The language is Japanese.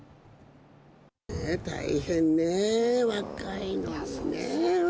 大変ね、若いのにね。